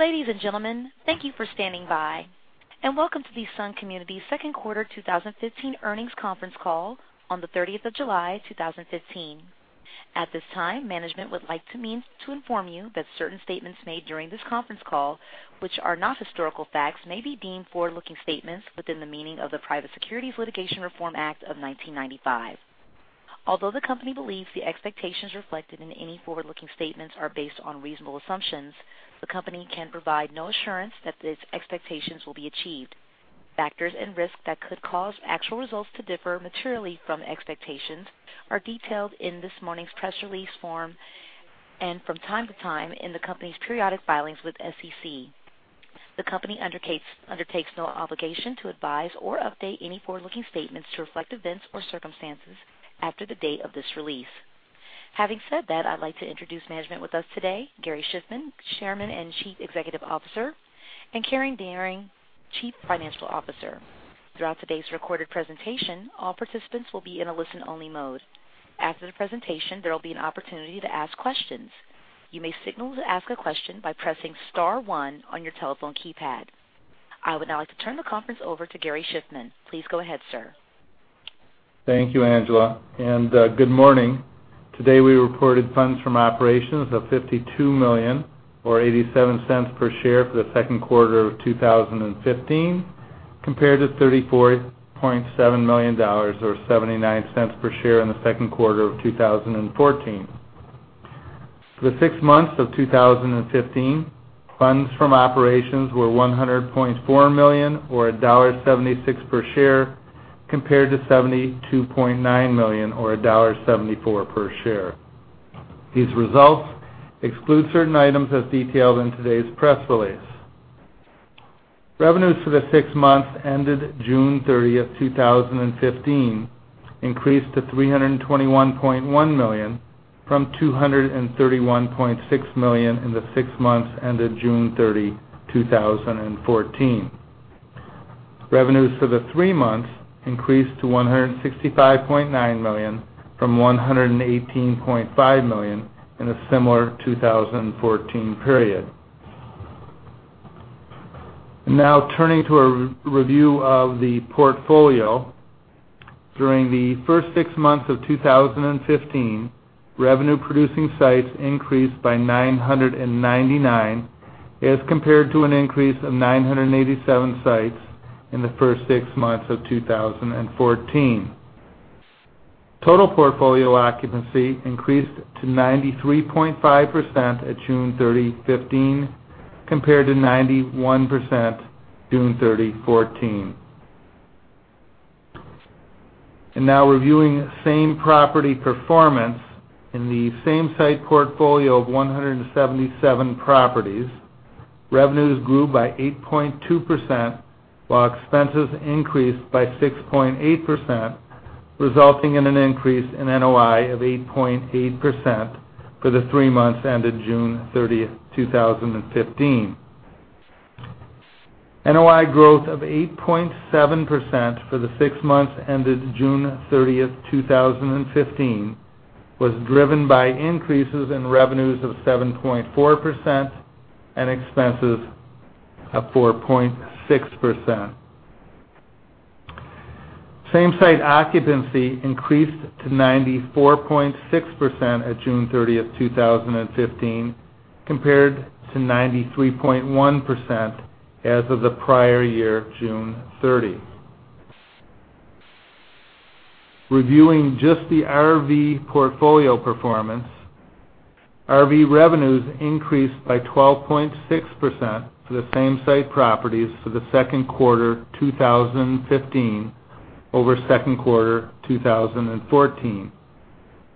Ladies and gentlemen, thank you for standing by, and welcome to the Sun Communities second quarter 2015 earnings conference call on the 30th of July, 2015. At this time, management would like to inform you that certain statements made during this conference call, which are not historical facts, may be deemed forward-looking statements within the meaning of the Private Securities Litigation Reform Act of 1995. Although the company believes the expectations reflected in any forward-looking statements are based on reasonable assumptions, the company can provide no assurance that these expectations will be achieved. Factors and risks that could cause actual results to differ materially from expectations are detailed in this morning's press release form and from time to time in the company's periodic filings with the SEC. The company undertakes no obligation to advise or update any forward-looking statements to reflect events or circumstances after the date of this release. Having said that, I'd like to introduce management with us today: Gary Shiffman, Chairman and Chief Executive Officer, and Karen Dearing, Chief Financial Officer. Throughout today's recorded presentation, all participants will be in a listen-only mode. After the presentation, there will be an opportunity to ask questions. You may signal to ask a question by pressing star one on your telephone keypad. I would now like to turn the conference over to Gary Shiffman. Please go ahead, sir. Thank you, Angela. Good morning. Today we reported Funds From Operations of $52 million, or $0.87 per share, for the second quarter of 2015, compared to $34.7 million, or $0.79 per share, in the second quarter of 2014. For the six months of 2015, Funds From Operations were $100.4 million, or $1.76 per share, compared to $72.9 million, or $1.74 per share. These results exclude certain items as detailed in today's press release. Revenues for the six months ended June 30th, 2015, increased to $321.1 million from $231.6 million in the six months ended June 30, 2014. Revenues for the three months increased to $165.9 million from $118.5 million in a similar 2014 period. Now turning to a review of the portfolio, during the first six months of 2015, revenue-producing sites increased by 999 as compared to an increase of 987 sites in the first six months of 2014. Total portfolio occupancy increased to 93.5% at June 30, 2015, compared to 91% June 30, 2014. Now reviewing same property performance in the same site portfolio of 177 properties, revenues grew by 8.2% while expenses increased by 6.8%, resulting in an increase in NOI of 8.8% for the three months ended June 30th, 2015. NOI growth of 8.7% for the six months ended June 30th, 2015, was driven by increases in revenues of 7.4% and expenses of 4.6%. Same site occupancy increased to 94.6% at June 30th, 2015, compared to 93.1% as of the prior year, June 30, 2014. Reviewing just the RV portfolio performance, RV revenues increased by 12.6% for the same site properties for the second quarter 2015 over second quarter 2014,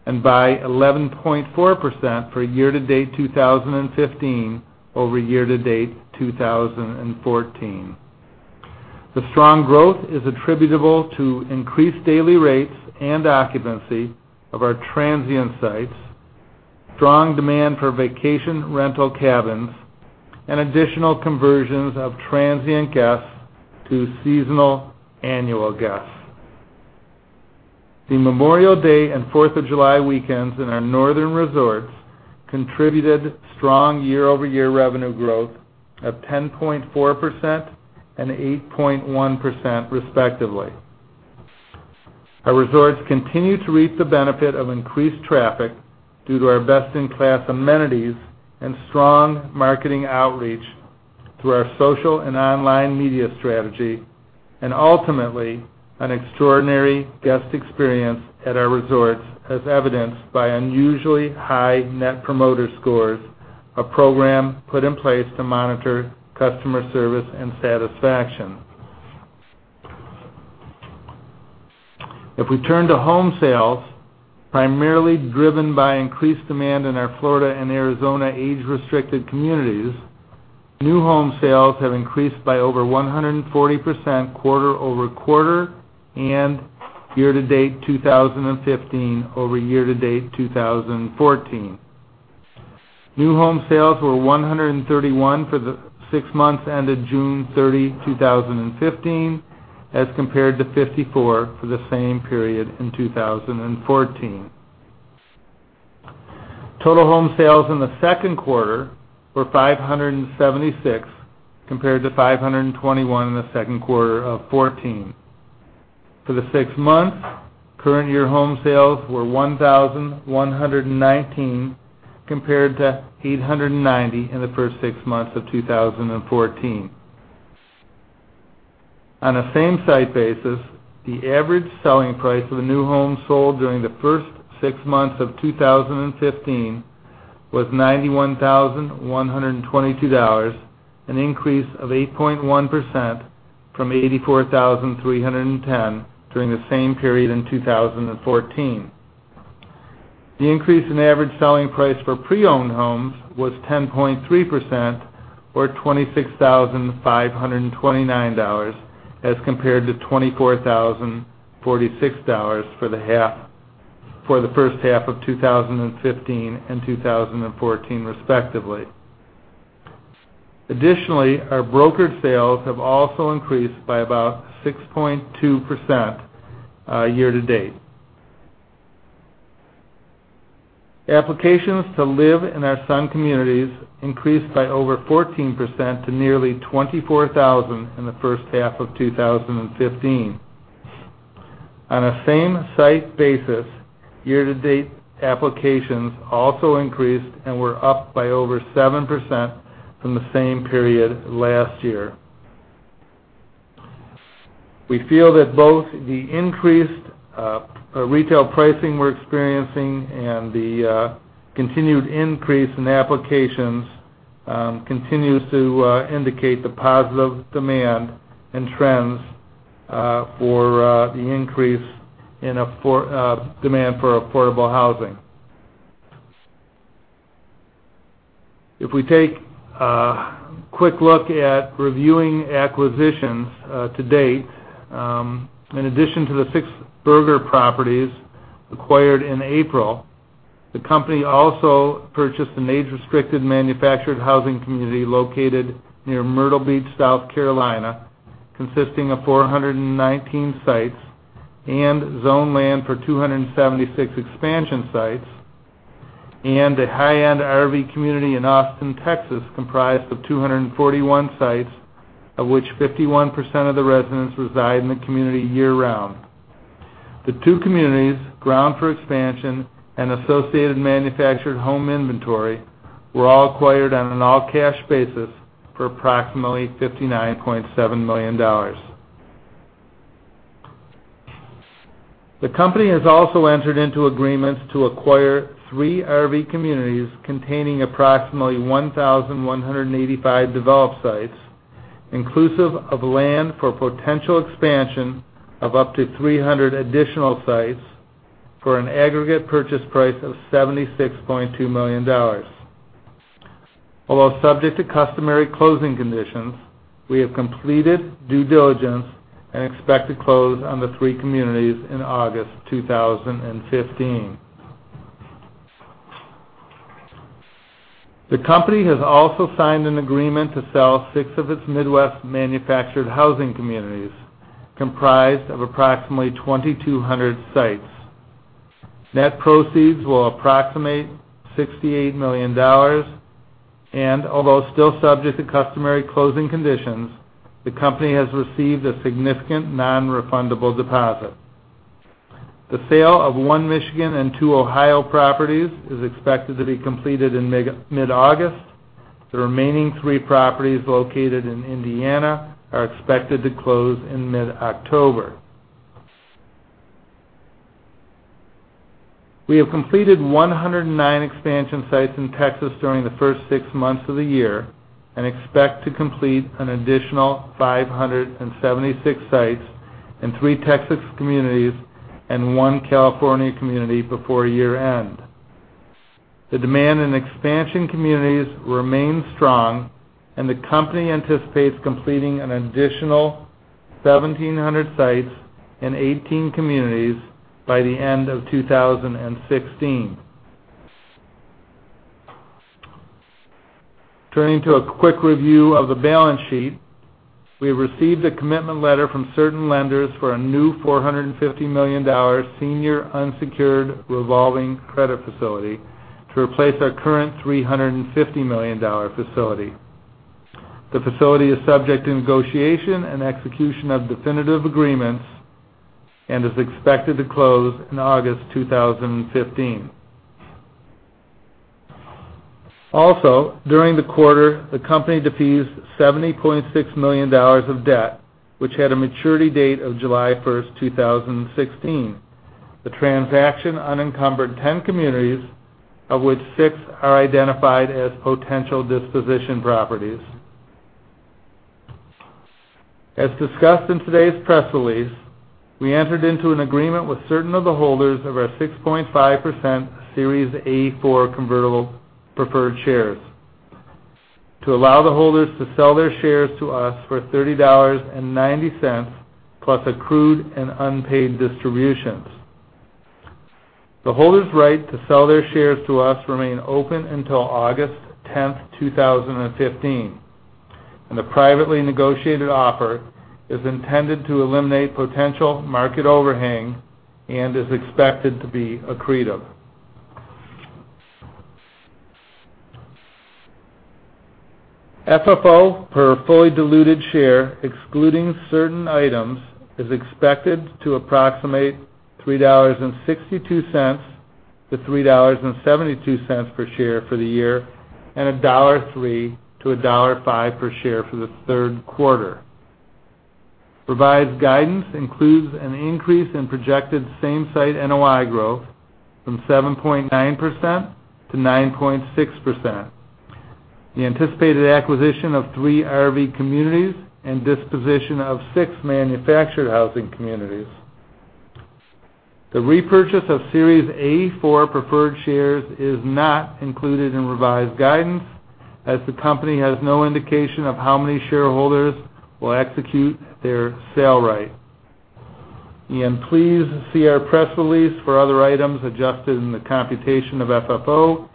and by 11.4% for year-to-date 2015 over year-to-date 2014. The strong growth is attributable to increased daily rates and occupancy of our transient sites, strong demand for vacation rental cabins, and additional conversions of transient guests to seasonal annual guests. The Memorial Day and Fourth of July weekends in our northern resorts contributed strong year-over-year revenue growth of 10.4% and 8.1% respectively. Our resorts continue to reap the benefit of increased traffic due to our best-in-class amenities and strong marketing outreach through our social and online media strategy, and ultimately an extraordinary guest experience at our resorts as evidenced by unusually high Net Promoter Scores, a program put in place to monitor customer service and satisfaction. If we turn to home sales, primarily driven by increased demand in our Florida and Arizona age-restricted communities, new home sales have increased by over 140% quarter-over-quarter and year-to-date 2015 over year-to-date 2014. New home sales were 131 for the six months ended June 30, 2015, as compared to 54 for the same period in 2014. Total home sales in the second quarter were 576 compared to 521 in the second quarter of 2014. For the six months, current year home sales were 1,119 compared to 890 in the first six months of 2014. On a same-site basis, the average selling price of a new home sold during the first six months of 2015 was $91,122, an increase of 8.1% from 84,310 during the same period in 2014. The increase in average selling price for pre-owned homes was 10.3%, or $26,529 as compared to $24,046 for the first half of 2015 and 2014 respectively. Additionally, our brokered sales have also increased by about 6.2% year-to-date. Applications to live in our Sun Communities increased by over 14% to nearly 24,000 in the first half of 2015. On a same-site basis, year-to-date applications also increased and were up by over 7% from the same period last year. We feel that both the increased retail pricing we're experiencing and the continued increase in applications continues to indicate the positive demand and trends for the increase in demand for affordable housing. If we take a quick look at reviewing acquisitions to date, in addition to the six Berger properties acquired in April, the company also purchased an age-restricted manufactured housing community located near Myrtle Beach, South Carolina, consisting of 419 sites and zoned land for 276 expansion sites, and a high-end RV community in Austin, Texas, comprised of 241 sites, of which 51% of the residents reside in the community year-round. The two communities, ground for expansion and Associated Manufactured Home Inventory, were all acquired on an all-cash basis for approximately $59.7 million. The company has also entered into agreements to acquire three RV communities containing approximately 1,185 developed sites, inclusive of land for potential expansion of up to 300 additional sites for an aggregate purchase price of $76.2 million. Although subject to customary closing conditions, we have completed due diligence and expect to close on the three communities in August 2015. The company has also signed an agreement to sell six of its Midwest manufactured housing communities, comprised of approximately 2,200 sites. Net proceeds will approximate $68 million, and although still subject to customary closing conditions, the company has received a significant non-refundable deposit. The sale of one Michigan and two Ohio properties is expected to be completed in mid-August. The remaining three properties located in Indiana are expected to close in mid-October. We have completed 109 expansion sites in Texas during the first six months of the year and expect to complete an additional 576 sites in three Texas communities and one California community before year-end. The demand in expansion communities remains strong, and the company anticipates completing an additional 1,700 sites in 18 communities by the end of 2016. Turning to a quick review of the balance sheet, we have received a commitment letter from certain lenders for a new $450 million senior unsecured revolving credit facility to replace our current $350 million facility. The facility is subject to negotiation and execution of definitive agreements and is expected to close in August 2015. Also, during the quarter, the company defeased $70.6 million of debt, which had a maturity date of July 1st, 2016. The transaction unencumbered 10 communities, of which six are identified as potential disposition properties. As discussed in today's press release, we entered into an agreement with certain of the holders of our 6.50% Series A-4 convertible preferred shares to allow the holders to sell their shares to us for $30.90 plus accrued and unpaid distributions. The holders' right to sell their shares to us remains open until August 10th, 2015, and the privately negotiated offer is intended to eliminate potential market overhang and is expected to be accretive. FFO per fully diluted share, excluding certain items, is expected to approximate $3.62-$3.72 per share for the year and $1.03-$1.05 per share for the third quarter. Revised guidance, includes an increase in projected same-site NOI growth from 7.9% to 9.6%, the anticipated acquisition of three RV communities and disposition of six manufactured housing communities. The repurchase of Series A4 preferred shares is not included in revised guidance as the company has no indication of how many shareholders will execute their sale right. You can please see our press release for other items adjusted in the computation of FFO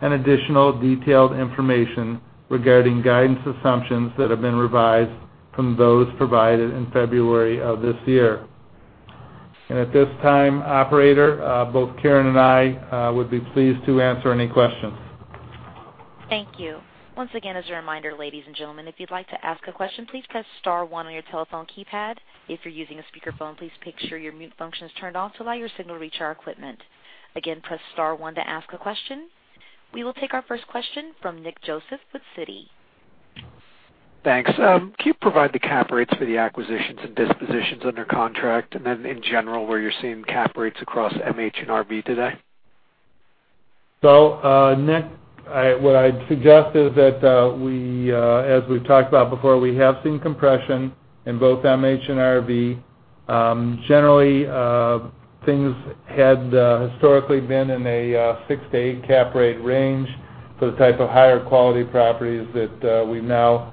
and additional detailed information regarding guidance assumptions that have been revised from those provided in February of this year. At this time, operator, both Karen and I would be pleased to answer any questions. Thank you. Once again, as a reminder, ladies and gentlemen, if you'd like to ask a question, please press star one on your telephone keypad. If you're using a speakerphone, please make sure your mute function is turned off to allow your signal to reach our equipment. Again, press star one to ask a question. We will take our first question from Nick Joseph with Citi. Thanks. Can you provide the cap rates for the acquisitions and dispositions under contract and then in general where you're seeing cap rates across MH and RV today? So Nick, what I'd suggest is that as we've talked about before, we have seen compression in both MH and RV. Generally, things had historically been in a 6-8 cap rate range for the type of higher quality properties that we've now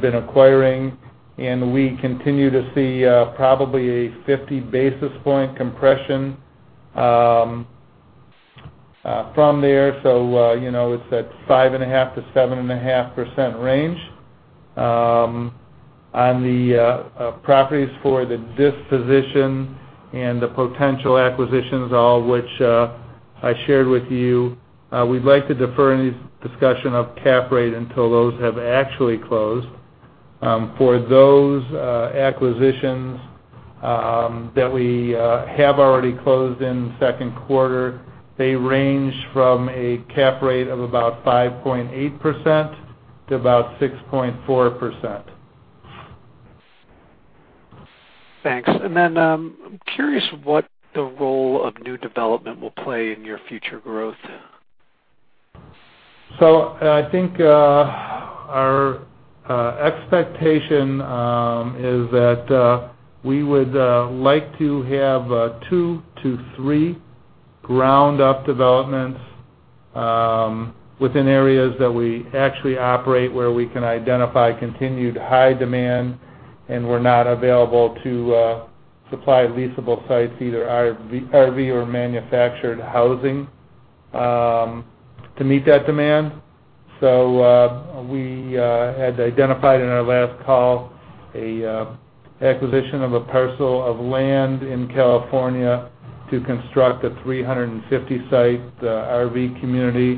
been acquiring, and we continue to see probably a 50 basis point compression from there. So it's at 5.5%-7.5% range. On the properties for the disposition and the potential acquisitions, all of which I shared with you, we'd like to defer any discussion of cap rate until those have actually closed. For those acquisitions that we have already closed in the second quarter, they range from a cap rate of about 5.8% to about 6.4%. Thanks. And then I'm curious what the role of new development will play in your future growth. So I think our expectation is that we would like to have 2-3 ground-up developments within areas that we actually operate where we can identify continued high demand and we're not available to supply leasable sites, either RV or manufactured housing, to meet that demand. So we had identified in our last call an acquisition of a parcel of land in California to construct a 350-site RV community,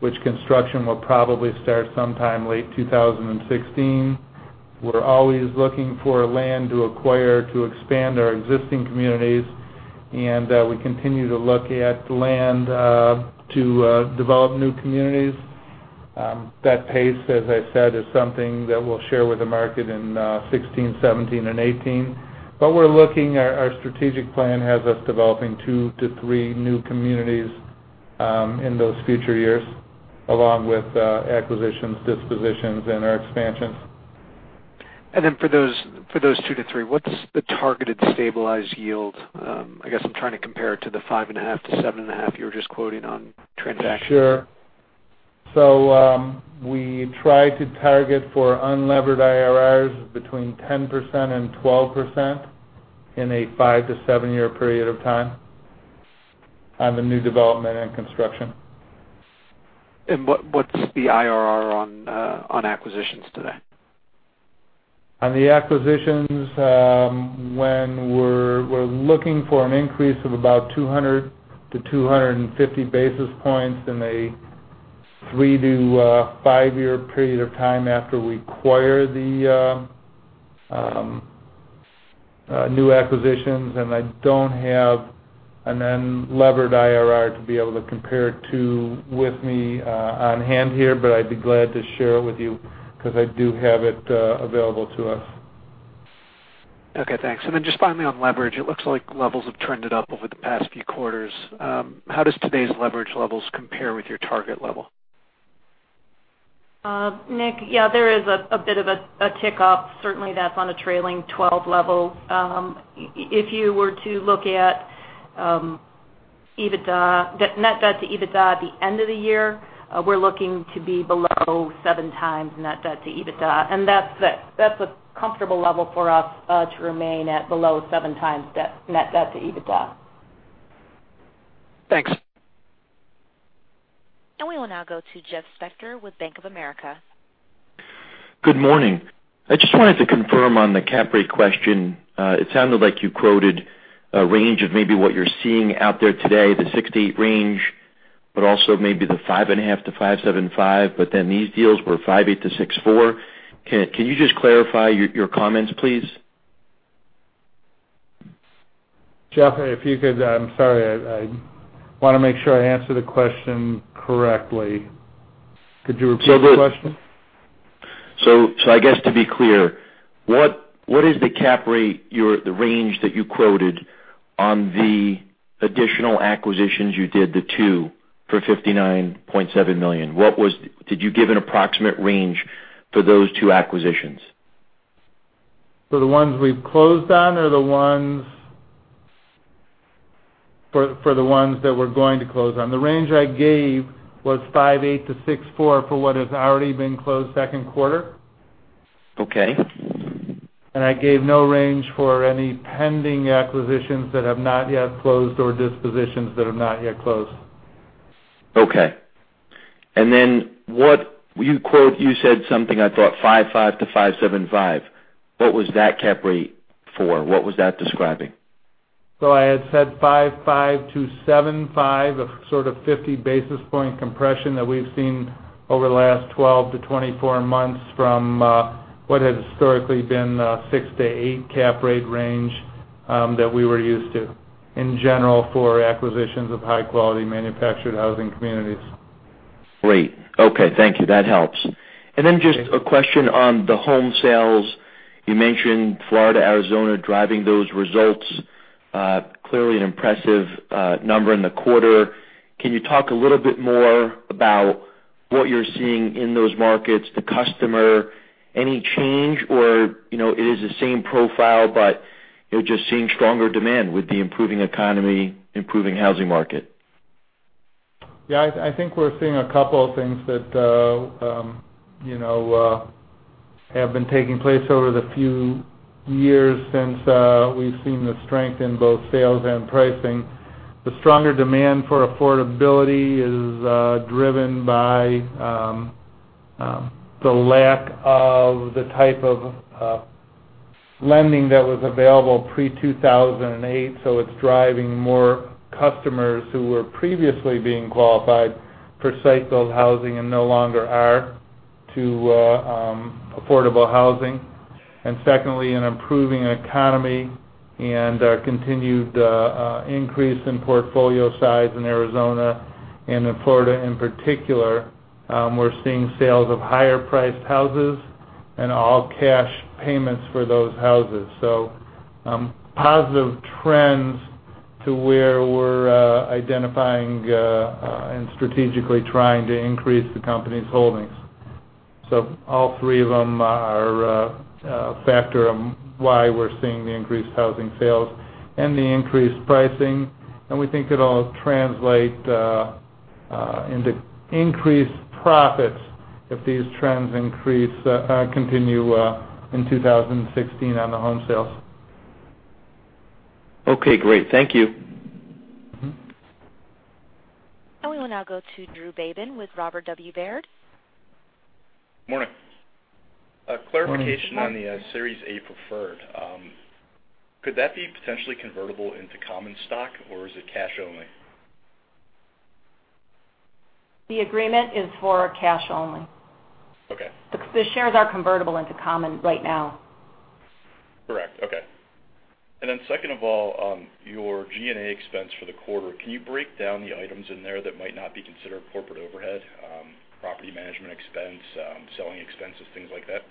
which construction will probably start sometime late 2016. We're always looking for land to acquire to expand our existing communities, and we continue to look at land to develop new communities. That pace, as I said, is something that we'll share with the market in 2016, 2017, and 2018. But we're looking at our strategic plan has us developing 2-3 new communities in those future years along with acquisitions, dispositions, and our expansions. And then for those 2-3, what's the targeted stabilized yield? I guess I'm trying to compare it to the 5.5%-7.5% you were just quoting on transactions. Sure. So we try to target for unlevered IRRs between 10%-12% in a 5-7-year period of time on the new development and construction. What's the IRR on acquisitions today? On the acquisitions, when we're looking for an increase of about 200-250 basis points in a 3-5-year period of time after we acquire the new acquisitions, and I don't have an unlevered IRR to be able to compare it to with me on hand here, but I'd be glad to share it with you because I do have it available to us. Okay. Thanks. And then just finally on leverage, it looks like levels have trended up over the past few quarters. How does today's leverage levels compare with your target level? Nick, yeah, there is a bit of a tick up. Certainly, that's on a trailing 12 level. If you were to look at EBITDA, net debt to EBITDA at the end of the year, we're looking to be below 7 times net debt to EBITDA. And that's a comfortable level for us to remain at below 7x net debt to EBITDA. Thanks. We will now go to Jeff Spector with Bank of America. Good morning. I just wanted to confirm on the cap rate question. It sounded like you quoted a range of maybe what you're seeing out there today, the 6.8 range, but also maybe the 5.5%-5.75%, but then these deals were 5.8%-6.4%. Can you just clarify your comments, please? Jeff, if you could. I'm sorry. I want to make sure I answer the question correctly. Could you repeat the question? So I guess to be clear, what is the cap rate, the range that you quoted on the additional acquisitions you did, the two for $59.7 million? Did you give an approximate range for those two acquisitions? For the ones we've closed on or the ones that we're going to close on? The range I gave was 58%-64% for what has already been closed second quarter. I gave no range for any pending acquisitions that have not yet closed or dispositions that have not yet closed. Okay. And then you said something I thought 5.5%-5.75%. What was that cap rate for? What was that describing? I had said 5.5%-7.5%, sort of 50 basis points compression that we've seen over the last 12-24 months from what has historically been a 6%-8% cap rate range that we were used to in general for acquisitions of high-quality manufactured housing communities. Great. Okay. Thank you. That helps. And then just a question on the home sales. You mentioned Florida, Arizona driving those results. Clearly, an impressive number in the quarter. Can you talk a little bit more about what you're seeing in those markets, the customer, any change, or it is the same profile, but you're just seeing stronger demand with the improving economy, improving housing market? Yeah. I think we're seeing a couple of things that have been taking place over the few years since we've seen the strength in both sales and pricing. The stronger demand for affordability is driven by the lack of the type of lending that was available pre-2008. So it's driving more customers who were previously being qualified for site-build housing and no longer are to affordable housing. And secondly, an improving economy and continued increase in portfolio size in Arizona and in Florida in particular. We're seeing sales of higher-priced houses and all cash payments for those houses. So positive trends to where we're identifying and strategically trying to increase the company's holdings. So all three of them are a factor of why we're seeing the increased housing sales and the increased pricing. We think it'll translate into increased profits if these trends continue in 2016 on the home sales. Okay. Great. Thank you. We will now go to Drew Babin with Robert W. Baird. Morning. Clarification on the Series A preferred. Could that be potentially convertible into common stock, or is it cash only? The agreement is for cash only. The shares are convertible into common right now. Correct. Okay. And then second of all, your G&A expense for the quarter, can you break down the items in there that might not be considered corporate overhead? Property management expense, selling expenses, things like that?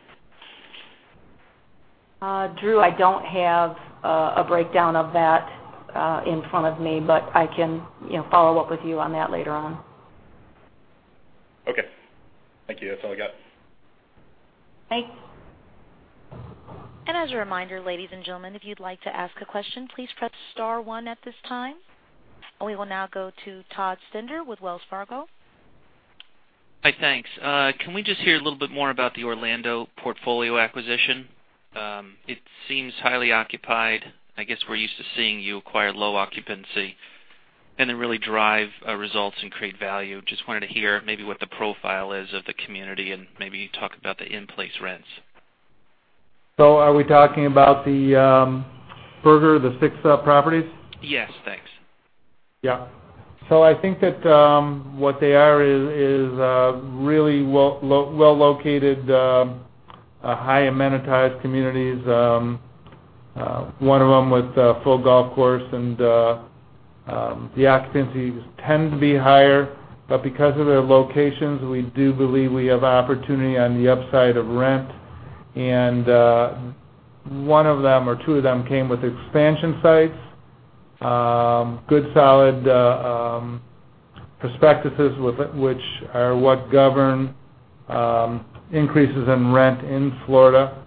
Drew, I don't have a breakdown of that in front of me, but I can follow up with you on that later on. Okay. Thank you. That's all I got. Thanks. As a reminder, ladies and gentlemen, if you'd like to ask a question, please press star one at this time. We will now go to Todd Stender with Wells Fargo. Hi. Thanks. Can we just hear a little bit more about the Orlando portfolio acquisition? It seems highly occupied. I guess we're used to seeing you acquire low occupancy and then really drive results and create value. Just wanted to hear maybe what the profile is of the community and maybe talk about the in-place rents. Are we talking about the Berger, the six properties? Yes. Thanks. Yeah. So I think that what they are is really well-located, high-amenitized communities, one of them with a full golf course. And the occupancies tend to be higher. But because of their locations, we do believe we have opportunity on the upside of rent. And one of them or two of them came with expansion sites, good solid prospectuses which are what govern increases in rent in Florida.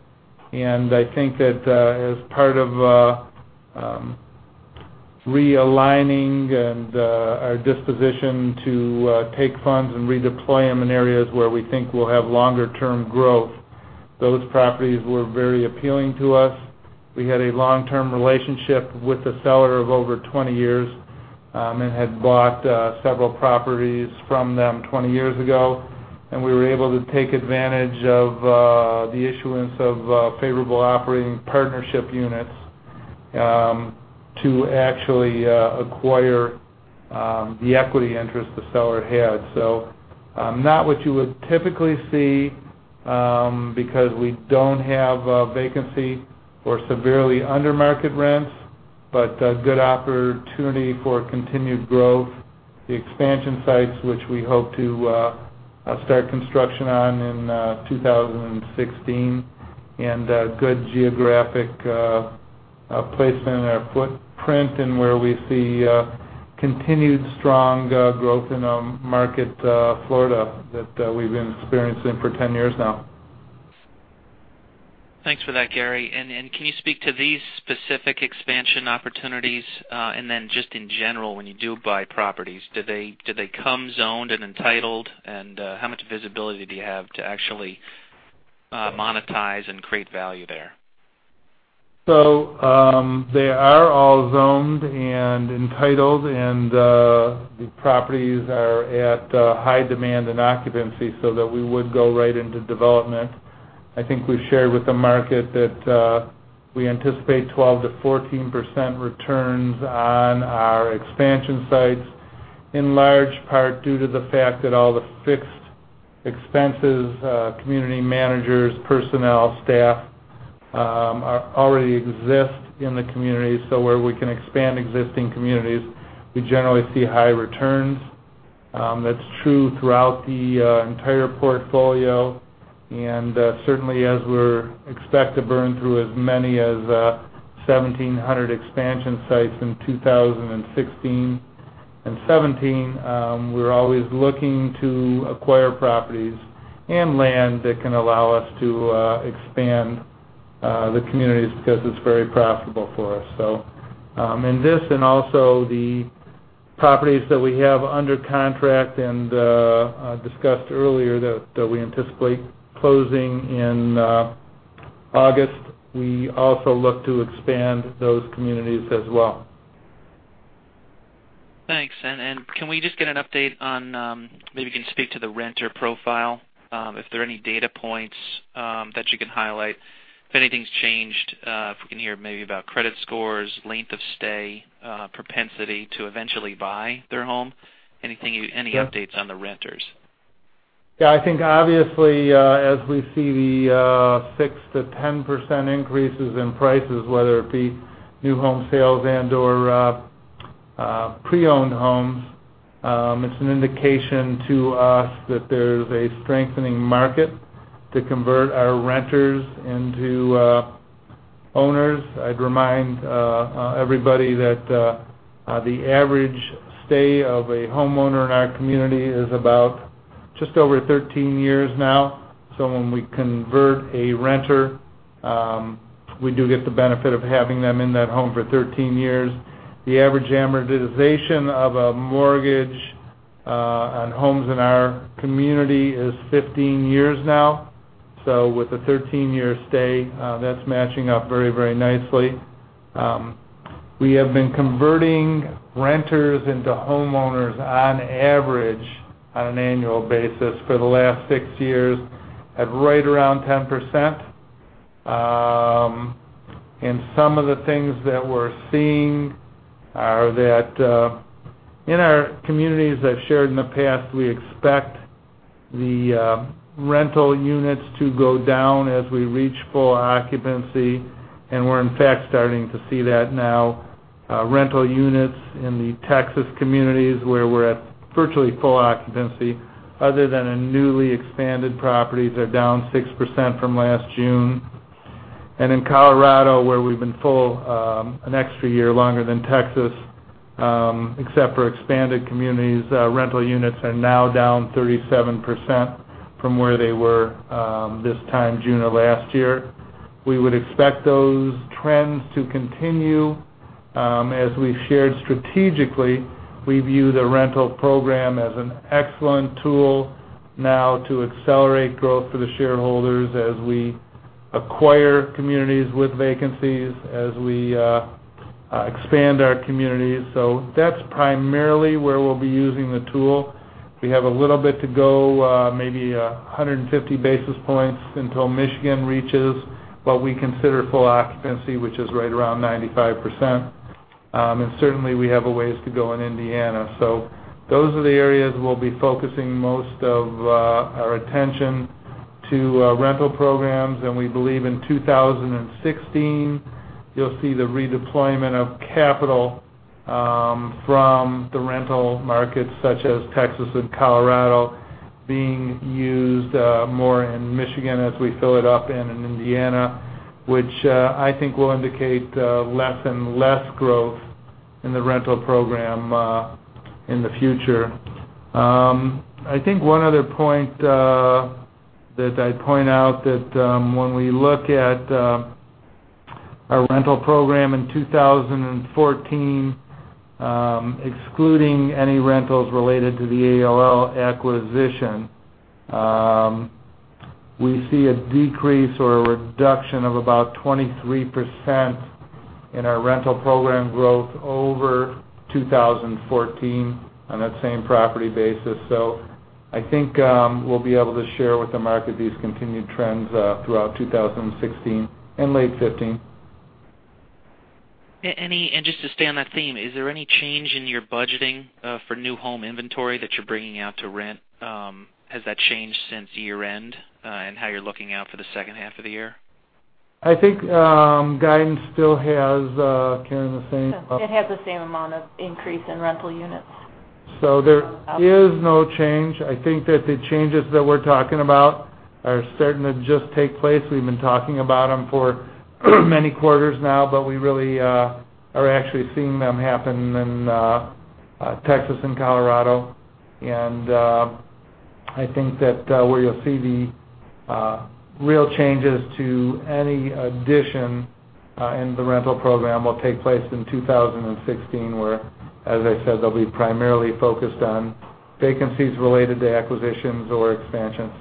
And I think that as part of realigning our disposition to take funds and redeploy them in areas where we think we'll have longer-term growth, those properties were very appealing to us. We had a long-term relationship with the seller of over 20 years and had bought several properties from them 20 years ago. And we were able to take advantage of the issuance of favorable operating partnership units to actually acquire the equity interest the seller had. Not what you would typically see because we don't have vacancy or severely undermarket rents, but a good opportunity for continued growth, the expansion sites which we hope to start construction on in 2016, and good geographic placement in our footprint and where we see continued strong growth in our market, Florida, that we've been experiencing for 10 years now. Thanks for that, Gary. And can you speak to these specific expansion opportunities? And then just in general, when you do buy properties, do they come zoned and entitled? And how much visibility do you have to actually monetize and create value there? So they are all zoned and entitled, and the properties are at high demand and occupancy so that we would go right into development. I think we've shared with the market that we anticipate 12%-14% returns on our expansion sites, in large part due to the fact that all the fixed expenses, community managers, personnel, staff already exist in the community. So where we can expand existing communities, we generally see high returns. That's true throughout the entire portfolio. And certainly, as we're expect to burn through as many as 1,700 expansion sites in 2016 and 2017, we're always looking to acquire properties and land that can allow us to expand the communities because it's very profitable for us. So in this and also the properties that we have under contract and discussed earlier that we anticipate closing in August, we also look to expand those communities as well. Thanks. And can we just get an update on maybe you can speak to the renter profile, if there are any data points that you can highlight? If anything's changed, if we can hear maybe about credit scores, length of stay, propensity to eventually buy their home, any updates on the renters? Yeah. I think obviously, as we see the 6%-10% increases in prices, whether it be new home sales and/or pre-owned homes, it's an indication to us that there's a strengthening market to convert our renters into owners. I'd remind everybody that the average stay of a homeowner in our community is about just over 13 years now. So when we convert a renter, we do get the benefit of having them in that home for 13 years. The average amortization of a mortgage on homes in our community is 15 years now. So with a 13-year stay, that's matching up very, very nicely. We have been converting renters into homeowners on average on an annual basis for the last 6 years at right around 10%. And some of the things that we're seeing are that in our communities I've shared in the past, we expect the rental units to go down as we reach full occupancy. And we're, in fact, starting to see that now. Rental units in the Texas communities where we're at virtually full occupancy, other than in newly expanded properties, are down 6% from last June. And in Colorado, where we've been full an extra year longer than Texas, except for expanded communities, rental units are now down 37% from where they were this time June of last year. We would expect those trends to continue. As we've shared strategically, we view the rental program as an excellent tool now to accelerate growth for the shareholders as we acquire communities with vacancies, as we expand our communities. So that's primarily where we'll be using the tool. We have a little bit to go, maybe 150 basis points until Michigan reaches what we consider full occupancy, which is right around 95%. And certainly, we have a ways to go in Indiana. So those are the areas we'll be focusing most of our attention to rental programs. And we believe in 2016, you'll see the redeployment of capital from the rental markets such as Texas and Colorado being used more in Michigan as we fill it up in Indiana, which I think will indicate less and less growth in the rental program in the future. I think one other point that I'd point out that when we look at our rental program in 2014, excluding any rentals related to the ALL acquisition, we see a decrease or a reduction of about 23% in our rental program growth over 2014 on that same property basis. I think we'll be able to share with the market these continued trends throughout 2016 and late 2015. Just to stay on that theme, is there any change in your budgeting for new home inventory that you're bringing out to rent? Has that changed since year-end and how you're looking out for the second half of the year? I think Guidance still has carrying the same. It has the same amount of increase in rental units. There is no change. I think that the changes that we're talking about are starting to just take place. We've been talking about them for many quarters now, but we really are actually seeing them happen in Texas and Colorado. And I think that where you'll see the real changes to any addition in the rental program will take place in 2016, where, as I said, they'll be primarily focused on vacancies related to acquisitions or expansions.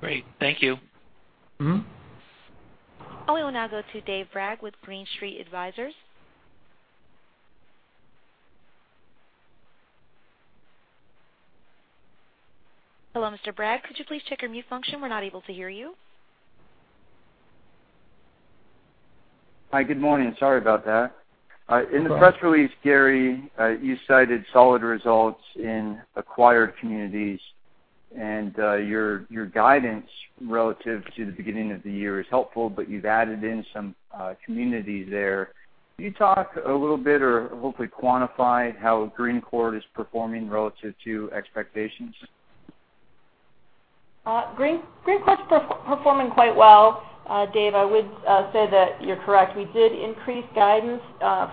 Great. Thank you. We will now go to Dave Bragg with Green Street Advisors. Hello, Mr. Bragg. Could you please check your mute function? We're not able to hear you. Hi. Good morning. Sorry about that. In the press release, Gary, you cited solid results in acquired communities. And your guidance relative to the beginning of the year is helpful, but you've added in some communities there. Could you talk a little bit or hopefully quantify how Green Courte is performing relative to expectations? Green Courte is performing quite well. Dave, I would say that you're correct. We did increase guidance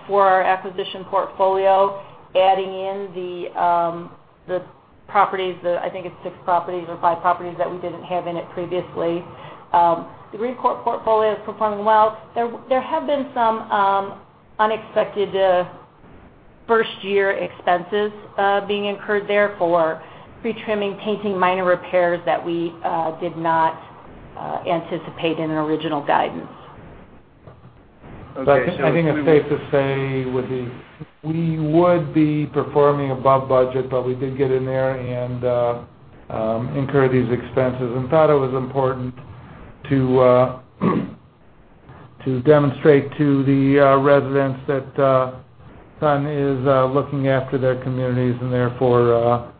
for our acquisition portfolio, adding in the properties. I think it's 6 properties or 5 properties that we didn't have in it previously. The Green Courte portfolio is performing well. There have been some unexpected first-year expenses being incurred there for pre-trimming, painting, minor repairs that we did not anticipate in original guidance. I think it's safe to say we would be performing above budget, but we did get in there and incur these expenses. And thought it was important to demonstrate to the residents that Sun is looking after their communities and therefore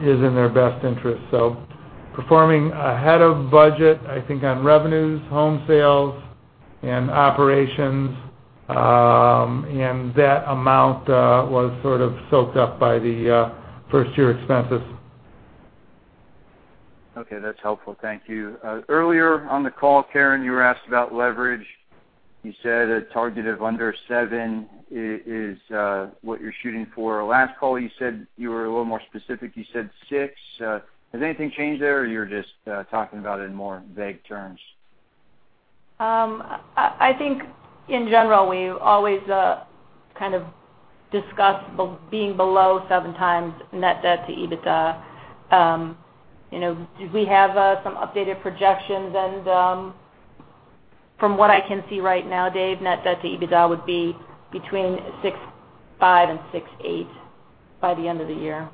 is in their best interest. So performing ahead of budget, I think on revenues, home sales, and operations. And that amount was sort of soaked up by the first-year expenses. Okay. That's helpful. Thank you. Earlier on the call, Karen, you were asked about leverage. You said a target of under seven is what you're shooting for. Last call, you said you were a little more specific. You said six. Has anything changed there, or you're just talking about it in more vague terms? I think in general, we always kind of discuss being below 7x net debt to EBITDA. We have some updated projections. From what I can see right now, Dave, net debt to EBITDA would be between 6.5%-6.8% by the end of the year.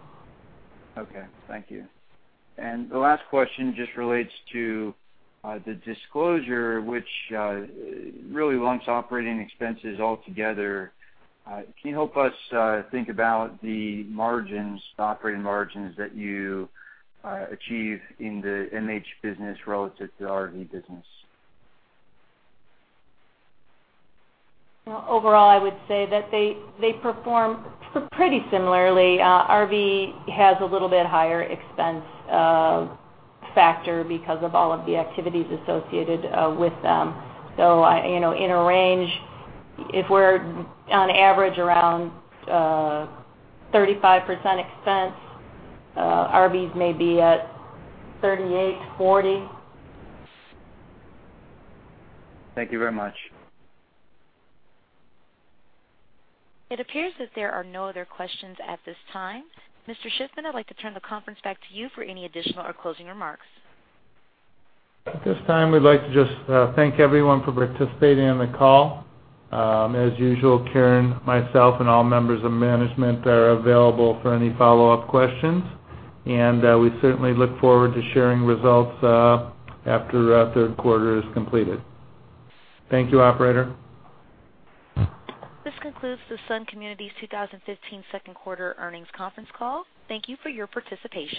Okay. Thank you. The last question just relates to the disclosure, which really lumps operating expenses altogether. Can you help us think about the margins, the operating margins that you achieve in the MH business relative to the RV business? Well, overall, I would say that they perform pretty similarly. RV has a little bit higher expense factor because of all of the activities associated with them. So in a range, if we're on average around 35% expense, RVs may be at 38%-40%. Thank you very much. It appears that there are no other questions at this time. Mr. Shiffman, I'd like to turn the conference back to you for any additional or closing remarks. At this time, we'd like to just thank everyone for participating in the call. As usual, Karen, myself, and all members of management are available for any follow-up questions. We certainly look forward to sharing results after third quarter is completed. Thank you, Operator. This concludes the Sun Communities 2015 second quarter earnings conference call. Thank you for your participation.